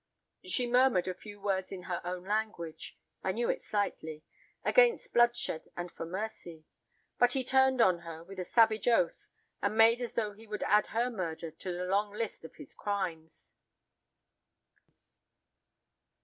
She murmured a few words in her own language—I knew it slightly—against bloodshed, and for mercy. But he turned on her with a savage oath, and made as though he would add her murder to the long list of his crimes.